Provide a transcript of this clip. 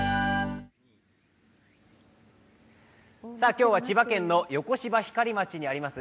今日は千葉県の横芝光町にあります